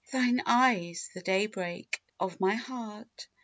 Thine eyes! the daybreak of my heart!